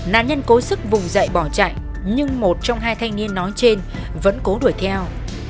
nạn nhân cố sức vùng dậy bỏ chạy nhưng một trong hai thanh niên nói trên vẫn cố đuổi theo